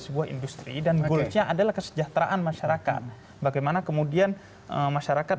sebuah industri dan goalsnya adalah kesejahteraan masyarakat bagaimana kemudian masyarakat